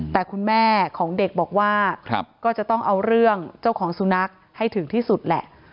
แต่คุณแม่ของเด็กบอกว่าก็จะต้องเอาเรื่องเจ้าของสุนัขให้ถึงที่สุดแหละ